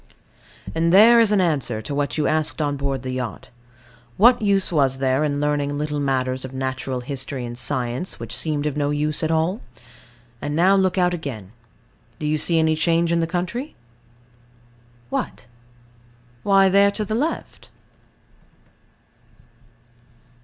And there is an answer to what you asked on board the yacht What use was there in learning little matters of natural history and science, which seemed of no use at all? And now, look out again. Do you see any change in the country? What? Why, there to the left.